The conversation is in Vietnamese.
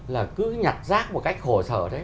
là cứ nhặt rác một cách khổ sở thế